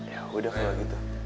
ya udah kalau gitu